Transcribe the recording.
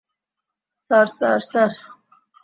Sir, sir, sir!